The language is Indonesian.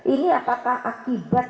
ini apakah akibat